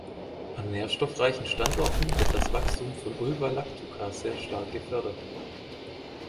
An nährstoffreichen Standorten wird das Wachstum von "Ulva lactuca" sehr stark gefördert.